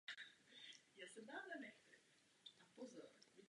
Nebylo by dobré hlasování odkládat.